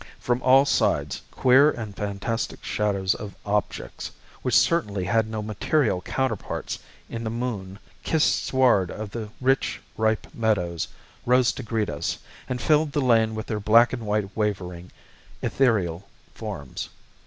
From all sides queer and fantastic shadows of objects, which certainly had no material counterparts in the moon kissed sward of the rich, ripe meadows, rose to greet us, and filled the lane with their black and white wavering, ethereal forms.